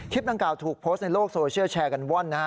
คลิปต่างกล่าวถูกโพสต์ในโลกโซเชียร์แชร์กันว่อน